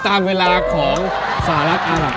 ๘๓๐ตามเวลาของสหรัฐอัลหัว